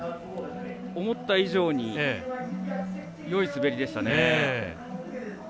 思った以上によいすべりでしたね。